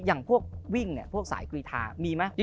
อย่างพวกวิ่งเนี่ยพวกสายกรีธามีไหม